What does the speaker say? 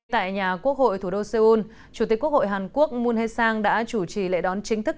tại nhà quốc hội thủ đô seoul chủ tịch quốc hội hàn quốc moon hee sang đã chủ trì lễ đón chính thức